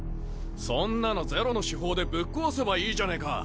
そんなのゼロの主砲でぶっ壊せばいいじゃねえか。